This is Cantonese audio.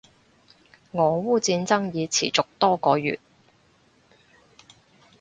俄烏戰爭已持續多個月